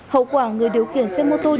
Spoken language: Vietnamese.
hậu quả người điều khiển xe mô tô